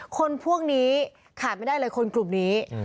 คนพวกนี้ขาดไม่ได้เลยคนกลุ่มนี้